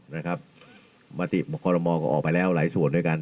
มาติกกรมมองก็ออกไปแล้วหลายส่วนด้วยกัน